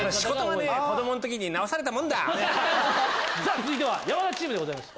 続いては山田チームでございます